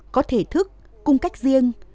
có thể thức cung cách riêng